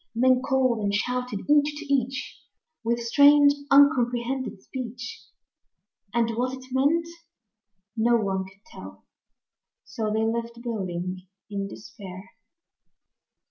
Men called and shouted each to each With strange, uncomprehended speech, And what it meant no one could tell; So they left building in despair.